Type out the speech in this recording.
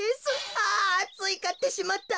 あついかってしまった。